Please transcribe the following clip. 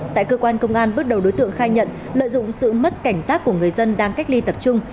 tại cơ quan công an bước đầu đối tượng khai nhận lợi dụng sự mất cảnh giác của người dân đang cách ly tập trung